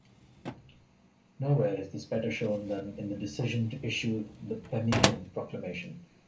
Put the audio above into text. Nowhere is this better shown than in the decision to issue the Pemmican Proclamation.